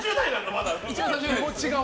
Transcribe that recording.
まだ。